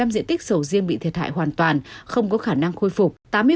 hai mươi diện tích sầu riêng bị thiệt hại hoàn toàn không có khả năng khôi phục